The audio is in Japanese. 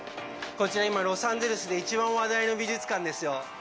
こちら、今ロサンゼルスで一番話題の美術館ですよ。